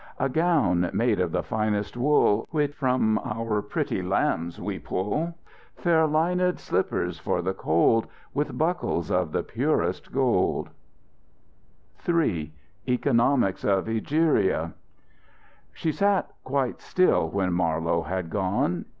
"A gown made of the finest wool Which from our pretty lambs we pull; Fair linèd slippers for the cold, With buckles of the purest gold " III ECONOMICS OF EGERIA She sat quite still when Marlowe had gone.